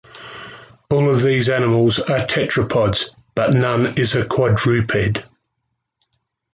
All of these animals are tetrapods, but none is a quadruped.